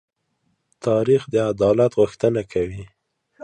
تاریخ د عدالت غوښتنه کوي.